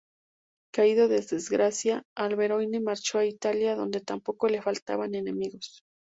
Caído en desgracia, Alberoni marchó a Italia, donde tampoco le faltaban enemigos.